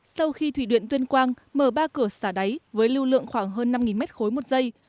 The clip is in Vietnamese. sau khi thủy điện tuyên quang mở ba cửa xả đáy với lưu lượng khoảng hơn năm mét khối một giây